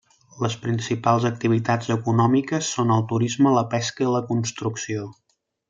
Les principals activitats econòmiques són el turisme, la pesca i la construcció.